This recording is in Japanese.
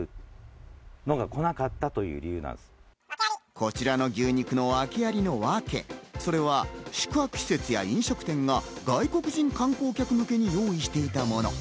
こちらの牛肉の訳ありのワケ、それは宿泊施設や飲食店が外国人観光客向けに用意していたもの。